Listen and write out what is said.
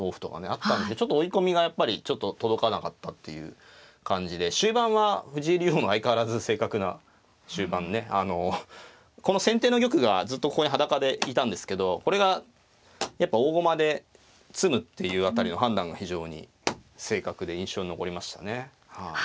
あったんですけどちょっと追い込みがやっぱりちょっと届かなかったっていう感じで終盤は藤井竜王の相変わらず正確な終盤ねあのこの先手の玉がずっとここに裸でいたんですけどこれがやっぱ大駒で詰むっていう辺りの判断が非常に正確で印象に残りましたね。